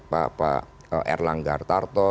pak erlangga artarto